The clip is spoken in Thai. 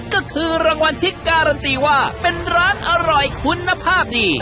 ก็คือรางวัลที่การันตีว่าเป็นร้านอร่อยคุณภาพดี